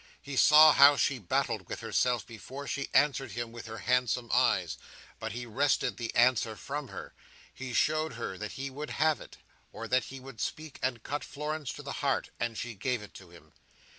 He saw how she battled with herself before she answered him with her handsome eyes, but he wrested the answer from her—he showed her that he would have it, or that he would speak and cut Florence to the heart—and she gave it to him.